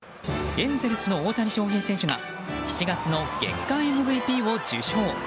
エンゼルスの大谷翔平選手が７月の月間ＭＶＰを受賞。